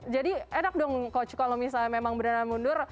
jadi enak dong coach kalau misalnya memang benar benar mundur